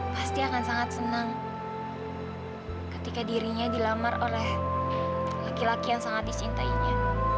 pasti akan sangat senang ketika dirinya dilamar oleh laki laki yang sangat dicintainya